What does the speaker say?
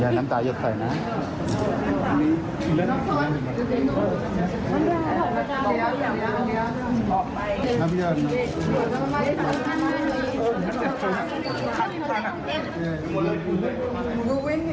อย่าน้ำตาหยุดใส่นะครับ